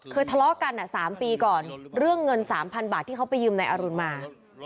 ทะเลาะกัน๓ปีก่อนเรื่องเงิน๓๐๐บาทที่เขาไปยืมนายอรุณมา